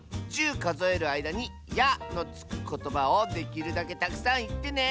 かぞえるあいだに「や」のつくことばをできるだけたくさんいってね！